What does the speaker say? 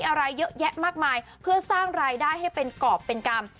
อะไรเยอะแยะมากมายเพื่อสร้างรายได้ให้เป็นกรอบเป็นกรรม